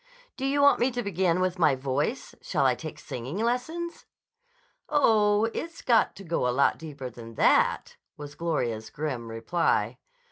"Do you want me to begin with my voice? Shall I take singing lessons?" "Oh, it's got to go a lot deeper than that," was Gloria's grim reply.